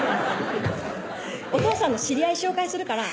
「お父さんの知り合い紹介するから」